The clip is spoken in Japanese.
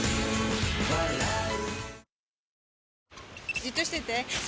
じっとしてて３！